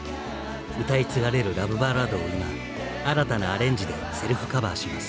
歌い継がれるラブバラードを今新たなアレンジでセルフカバーします。